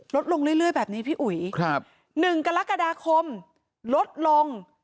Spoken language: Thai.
ลดลงเรื่อยเรื่อยแบบนี้พี่อุ๋ยครับหนึ่งกรกฎาคมลดลง